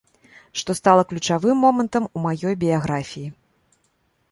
Што стала ключавым момантам у маёй біяграфіі.